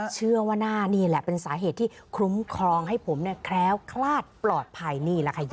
เชื่อว่าหน้านี่แหละเป็นสาเหตุที่คุ้มครองให้ผมเนี่ยแคล้วคลาดปลอดภัยนี่แหละค่ะ